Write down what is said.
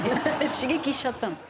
刺激しちゃったの？